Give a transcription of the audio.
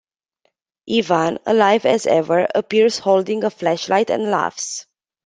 Ivan, alive as ever, appears holding a flashlight and laughs.